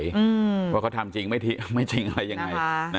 ว่าเขาทำจริงไม่จริงอะไรยังไง